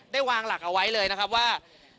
ได้วางหลักเอาไว้เลยว่า